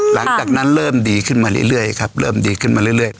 หลังจากนั้นเริ่มดีขึ้นมาเรื่อยครับเริ่มดีขึ้นมาเรื่อย